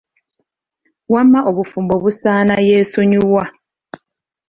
Wamma obufumbo busaana yeesonyiwa.